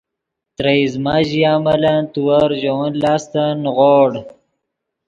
ترے ایزمہ ژیا ملن تیور ژے ون لاستن نیغوڑ